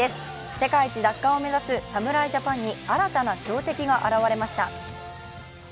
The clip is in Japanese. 世界一奪還を目指す侍ジャパンに新たな強敵が現れました。